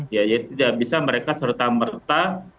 jadi tidak bisa mereka serta merta